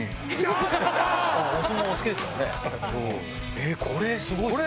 えっこれすごいですね。